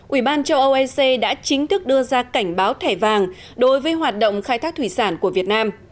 ủy ban châu âu ec đã chính thức đưa ra cảnh báo thẻ vàng đối với hoạt động khai thác thủy sản của việt nam